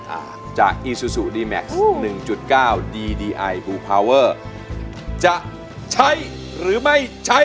อ่าจากอีซูซูดีแมคหนึ่งจุดเก้าดีดีไอบูพาวเวอร์จะใช้หรือไม่ใช้